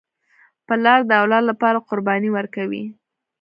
پلار د اولاد لپاره قرباني ورکوي.